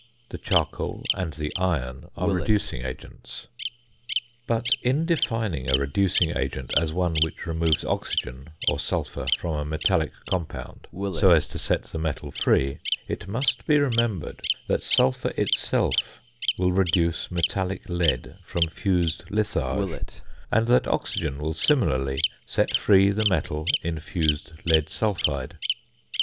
The charcoal and the iron are reducing agents. But in defining a reducing agent as one which removes oxygen, or sulphur, from a metallic compound so as to set the metal free, it must be remembered that sulphur itself will reduce metallic lead from fused litharge, and that oxygen will similarly set free the metal in fused lead sulphide.